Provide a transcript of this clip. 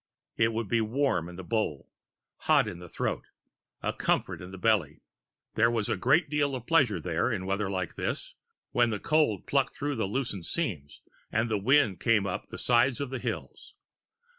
It would be warm in the bowl, hot in the throat, a comfort in the belly. There was a great deal of pleasure there, in weather like this, when the cold plucked through the loosened seams and the wind came up the sides of the hills.